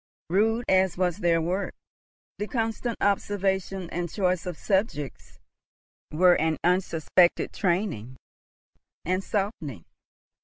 Rude as was their work, the constant observation and choice of subjects were an unsuspected training and softening.